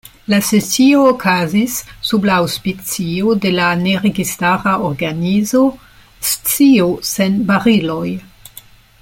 La sesio okazis sub la aŭspicio de la Ne Registara Organizo Scio Sen Bariloj.